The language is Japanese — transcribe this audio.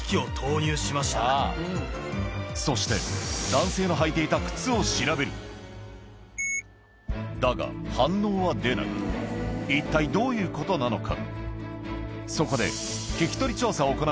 そして男性の履いていた靴を調べるだが一体どういうことなのか？